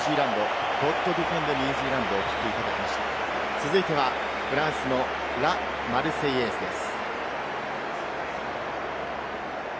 続いては、フランスの『ラ・マルセイエーズ』です。